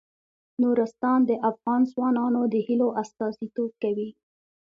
نورستان د افغان ځوانانو د هیلو استازیتوب کوي.